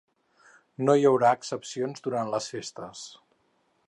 No hi haurà excepcions durant les festes.